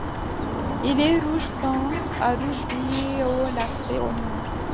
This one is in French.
Il est rouge sang à rouge violacé ou noir.